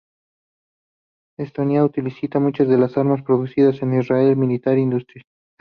Estonia utiliza muchas de las armas producidas por Israel Military Industries.